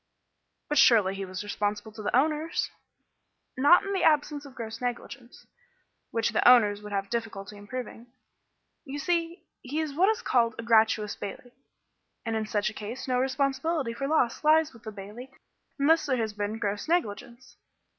"But surely he was responsible to the owners." "Not in the absence of gross negligence, which the owners would have difficulty in proving. You see, he was what is called a gratuitous bailee, and in such a case no responsibility for loss lies with the bailee unless there has been gross negligence."